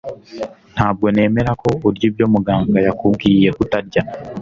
Ntabwo nemera ko urya ibyo muganga yakubwiye kutarya